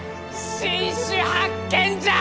新種発見じゃ！